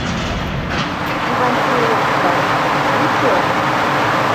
— Ивантеевка... вучо!